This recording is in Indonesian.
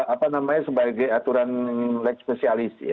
apa namanya sebagai aturan leg spesialis ya